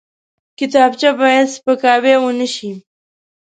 کتابچه باید سپکاوی ونه شي